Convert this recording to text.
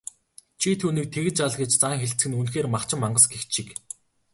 "Чи түүнийг тэгж ал" гэж заан хэлэлцэх нь үнэхээр махчин мангас гэгч шиг.